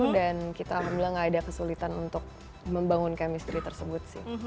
dan kita alhamdulillah gak ada kesulitan untuk membangun chemistry tersebut sih